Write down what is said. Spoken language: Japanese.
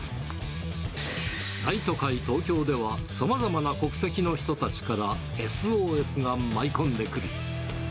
大都会、東京ではさまざまな国籍の人たちからＳＯＳが舞い込んでくる。